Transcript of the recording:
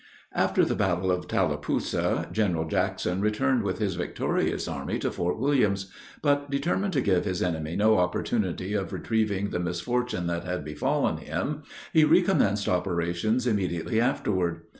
After the battle of Tallapoosa, General Jackson returned with his victorious army to Fort Williams; but, determined to give his enemy no opportunity of retrieving the misfortune that had befallen him, he recommenced operations immediately afterward.